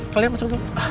kalian masuk dulu